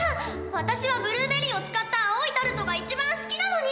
私はブルーベリーを使った青いタルトが一番好きなのに！